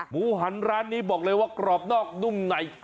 หมูหันร้านนี้บอกเลยว่ากรอบนอกนุ่มไหน